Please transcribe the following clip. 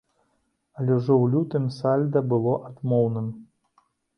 Але ўжо ў лютым сальда было адмоўным.